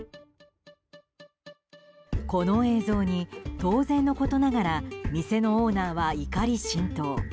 この映像に当然のことながら店のオーナーは怒り心頭。